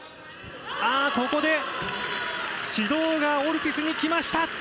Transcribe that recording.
ああ、ここで、指導がオルティスに来ました。